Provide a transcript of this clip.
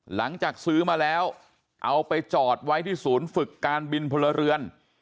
หลังจากซื้อมาแล้วเอาไปจอดไว้ที่ศูนย์ฝึกการบินพลเรือน